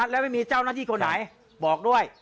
และไม่มีเจ้าหน้าที่คนไหนบอกด้วย